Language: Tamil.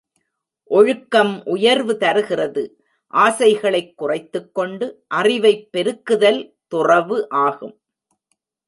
ஒழுக்கம் உயர்வு தருகிறது ஆசைகளைக் குறைத்துக்கொண்டு அறிவைப் பெருக்குதல் துறவு ஆகும்.